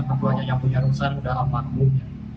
mertuanya yang punya rumah sudah lama kembunya